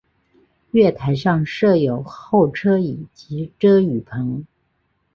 月台上设有候车椅及遮雨棚。